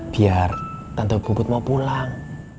biar tante buput mau pulang